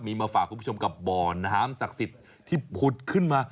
มีมาฝากคุณผู้ชมกับบ่อน้ำศักดิ์สิทธิ์ที่ผุดขึ้นมา